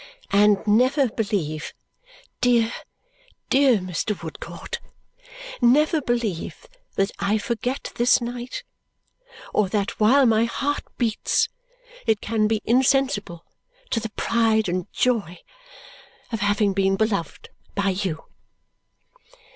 And never believe, dear dear Mr. Woodcourt, never believe that I forget this night or that while my heart beats it can be insensible to the pride and joy of having been beloved by you."